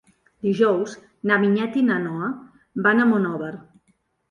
Dijous na Vinyet i na Noa van a Monòver.